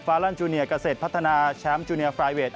ลันจูเนียเกษตรพัฒนาแชมป์จูเนียฟรายเวท